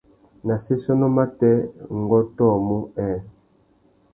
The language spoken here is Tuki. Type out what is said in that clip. Nà séssénô matê, ngu ôtōmú nhêê.